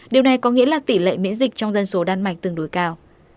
điều này có nghĩa là tỷ lệ miễn dịch trong dân số đan mạch tương đối cao